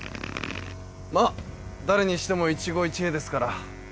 まあ誰にしても一期一会ですから。